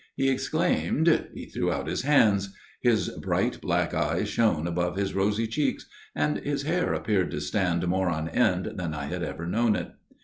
He exclaimed ; he threw out his hands ; his bright black eyes shone above his rosy cheeks ; and his hair appeared to stand more on end than I had ever known it.